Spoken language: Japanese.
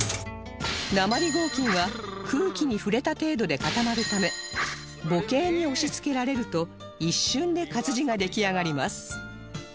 鉛合金は空気に触れた程度で固まるため母型に押しつけられると一瞬で活字が出来上がります